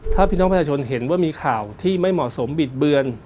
ถ้าพี่น้องประชาชนเห็นว่ามีข่าวที่ไม่เหมาะสมบิดเบือน